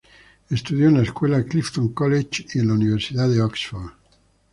Estudió en la escuela Clifton College y en la Universidad de Oxford.